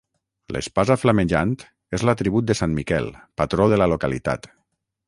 L'espasa flamejant és l'atribut de sant Miquel, patró de la localitat.